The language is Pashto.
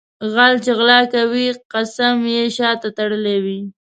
غل چې غلا کوي قسم یې شاته تړلی وي.